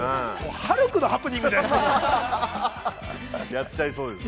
ハルクのハプニングじゃないですか。